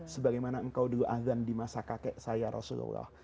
sebagaimana engkau dulu azan di masa kakek saya rasulullah